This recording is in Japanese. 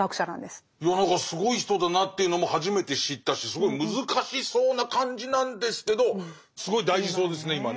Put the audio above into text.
すごい人だなっていうのも初めて知ったしすごい難しそうな感じなんですけどすごい大事そうですね今ね。